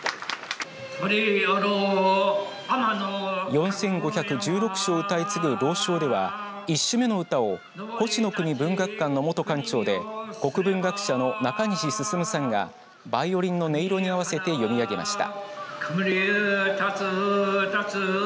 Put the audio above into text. ４５１６首を歌い継ぐ朗唱では１首目の歌を高志の国文学館の元館長で文学者の中西進さんがバイオリンの音色に合わせて読み上げました。